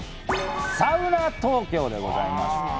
サウナ東京でございます。